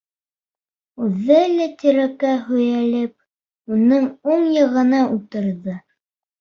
Үҙе лә тирәккә һөйәлеп уның уң яғына ултырҙы.